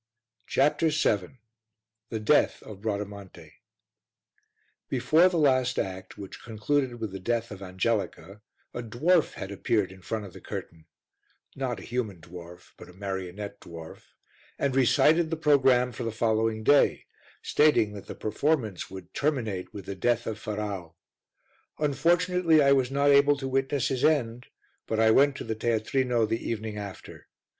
CHAPTER VII THE DEATH OF BRADAMANTE Before the last act, which concluded with the death of Angelica, a dwarf had appeared in front of the curtain (not a human dwarf, but a marionette dwarf) and recited the programme for the following day, stating that the performance would terminate with the death of Ferrau. Unfortunately I was not able to witness his end, but I went to the teatrino the evening after.